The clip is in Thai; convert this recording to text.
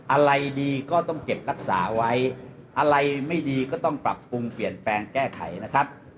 อะไรดีก็ต้องเก็บรักษาไว้อะไรไม่ดีก็ต้องปรับปรุงเปลี่ยนแปลงแก้ไขนะครับ